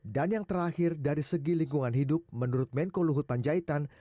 dan yang terakhir dari segi lingkungan hidup menurut menko luhut panjaitan